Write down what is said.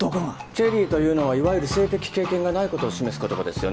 チェリーというのはいわゆる性的経験がないことを示す言葉ですよね。